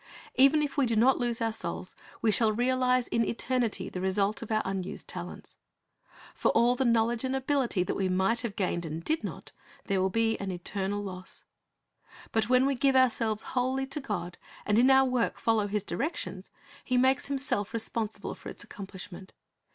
Even if we do not lose our souls, we shall realize in eternity" the result of our unused talents. For all the knowledge and ability that v.e might have gained and did not, there will be an eternal loss. But when we give ourselves wholl\^ to God, and in our work follow His directions, He makes Himself responsible for its accomplishment.